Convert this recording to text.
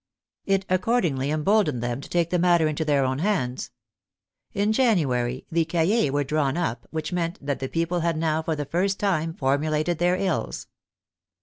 It accordingly emboldened them to take the matter into their own hands. In January the cahiers were drawn up, which meant that the people had now for the first time formulated their ills.